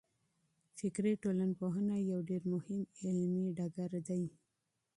نظري ټولنپوهنه یو ډېر مهم علمي ډګر دی.